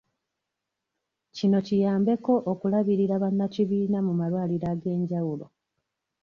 Kino kiyambeko okulabirira bannakibiina mu malwaliro ag'enjawulo.